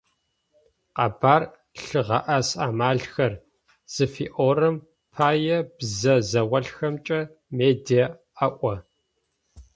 «Къэбар лъыгъэӏэс амалхэр» зыфиӏорэм пае бзэ заулэхэмкӏэ «медиа» аӏо.